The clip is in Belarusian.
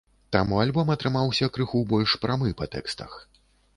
Таму альбом атрымаўся крыху больш прамы па тэкстах.